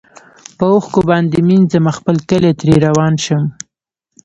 په اوښکو باندي مینځمه خپل کلی ترې روان شم